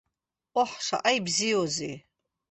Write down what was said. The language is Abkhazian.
Оҳ шаҟа ибзиоузеи!